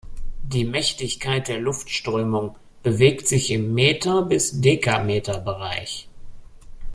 Die Mächtigkeit der Luftströmung bewegt sich im Meter- bis Dekameter-Bereich.